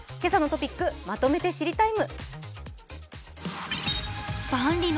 「けさのトピックまとめて知りＴＩＭＥ，」。